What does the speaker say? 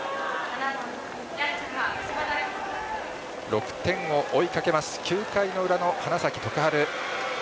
６点を追いかけます９回の裏の花咲徳栄。